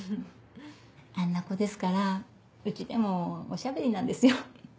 あんな子ですから家でもおしゃべりなんですよ。